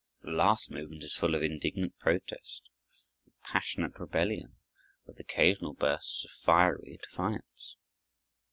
The last movement is full of indignant protest, of passionate rebellion, with occasional bursts of fiery defiance.